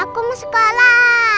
aku mau sekolah